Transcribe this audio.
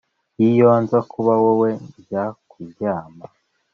'iyo nza kuba wowe, njya kuryama.'